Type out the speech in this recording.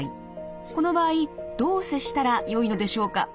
この場合どう接したらよいのでしょうか？